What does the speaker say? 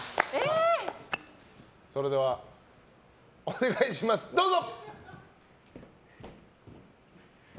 それでは、お願いしますどうぞ！